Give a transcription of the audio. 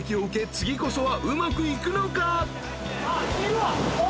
次こそはうまくいくのか？］